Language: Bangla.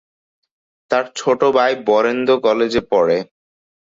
তার ছোট ভাই বরেন্দ্র কলেজে পড়ে।